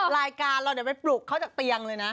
รายการเราเดี๋ยวไปปลุกเขาจากเตียงเลยนะ